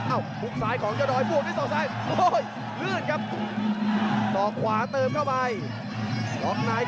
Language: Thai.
อ้าวมุ่งซ้ายของเจ้าดอยบวกด้วยส่องซ้าย